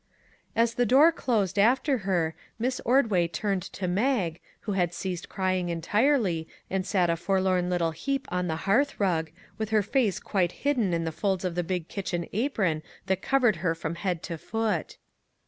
As the door closed after her Miss Ordway turned to Mag, who had ceased crying entirely, and sat a forlorn little heap on the hearth rug, with her face quite hidden in the folds of the big kitchen apron that covered her from head to foot.